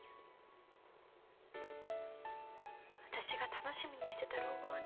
私が楽しみにしてた老後はね